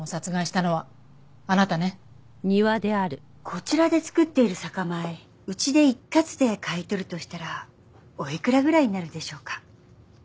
こちらで作っている酒米うちで一括で買い取るとしたらおいくらぐらいになるでしょうか？